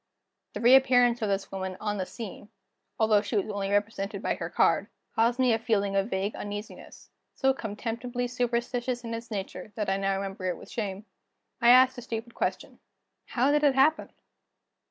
The reappearance of this woman on the scene although she was only represented by her card caused me a feeling of vague uneasiness, so contemptibly superstitious in its nature that I now remember it with shame. I asked a stupid question: "How did it happen?"